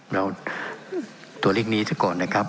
แล้วตัวลิขนี้เท่าก่อนนะครับ